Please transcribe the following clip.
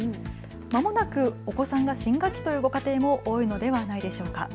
まもなくお子さんが新学期というご家庭も多いのではないでしょうか。